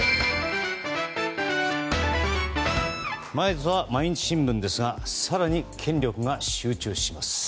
まずは毎日新聞ですが更に権力が集中します。